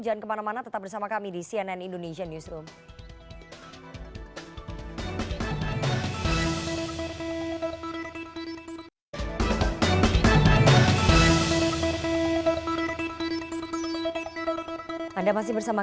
jangan kemana mana tetap bersama kami di sini